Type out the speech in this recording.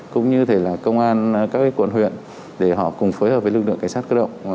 cũng như công an các quận huyện để họ cùng phối hợp với lực lượng cảnh sát cơ động